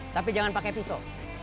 tapi jangan pake pisau